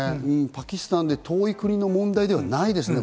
パキスタンで遠い国の問題ではないですね。